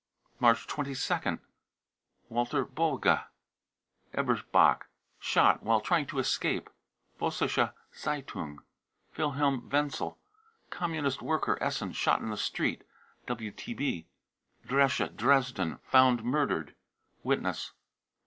March 22nd. Walter boege, Ebersbach, shot " while trying to escape." ( Vossische Z e ^ iun i*) wilhelm wenzel, Communist worker, Essen, shot in the street. {WTB.) dresche, Dresden, found murdered. (Witness.)